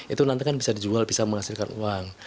itu nanti kan bisa dijual bisa menghasilkan uang